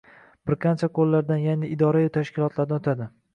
birqancha qo‘llardan yaʼni idora-yu tashkilotlardan o‘tadi